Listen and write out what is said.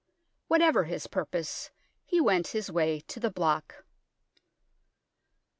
Whatever his purpose, he went his way to the block.